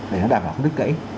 để nó đảm bảo không đứt gãy